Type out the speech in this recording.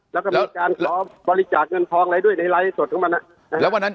แล้วก็มีการขอบริจาคเงินทองในไร้ไอโสดมัน